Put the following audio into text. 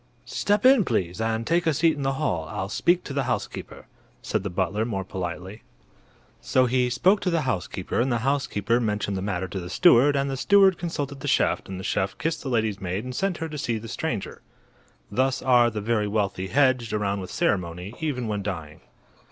"Step in, please, and take a seat in the hall. I'll speak to the housekeeper," said the butler, more politely. So he spoke to the housekeeper and the housekeeper mentioned the matter to the steward and the steward consulted the chef and the chef kissed the lady's maid and sent her to see the stranger. Thus are the very wealthy hedged around with ceremony, even when dying.